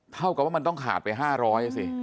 เท่ากับว่ามันต้องขาดไป๕๐๐สิ